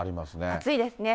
暑いですね。